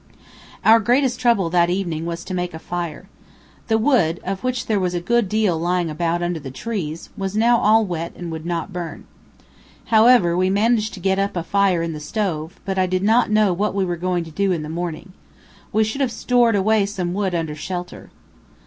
Our greatest trouble, that evening, was to make a fire. The wood, of which there was a good deal lying about under the trees, was now all wet and would not burn. However, we managed to get up a fire in the stove, but I did not know what we were going to do in the morning. We should have stored away some wood under shelter.